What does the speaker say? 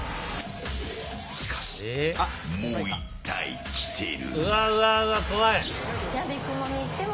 しかし、もう１体来ている。